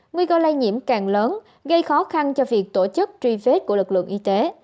nguy cơ lây nhiễm càng lớn gây khó khăn cho việc tổ chức truy vết của lực lượng y tế